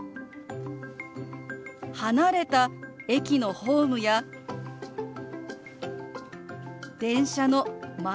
離れた駅のホームや電車の窓